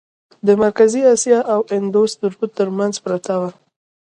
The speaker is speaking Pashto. د مرکزي آسیا او اندوس د رود ترمنځ پرته وه.